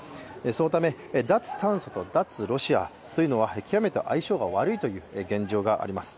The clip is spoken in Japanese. そのため、脱炭素と脱ロシアというのは極めて相性が悪いという現状があります。